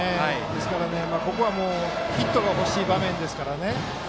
ここは、ヒットがほしい場面ですからね